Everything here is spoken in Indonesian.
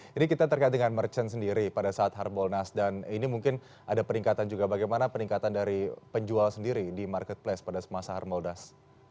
jadi kita terkait dengan merchant sendiri pada saat hard bolnas dan ini mungkin ada peningkatan juga bagaimana peningkatan dari penjual sendiri di marketplace pada semasa hard bolnas